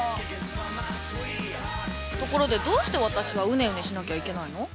ところでどうして私はうねうねしなきゃいけないの？